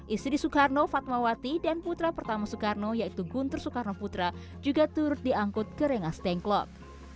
istri soekarno fatmawati dan putra pertama soekarno yaitu guntur soekarno putra juga turut diangkut ke rengas dengklok